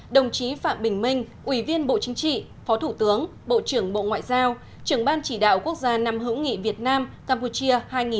đồng chí phạm bình minh ủy viên bộ chính trị phó thủ tướng bộ trưởng bộ ngoại giao trưởng ban chỉ đạo quốc gia năm hữu nghị việt nam campuchia hai nghìn một mươi chín